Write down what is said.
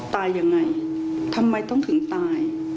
ตายยังไงทำไมต้องถึงตาย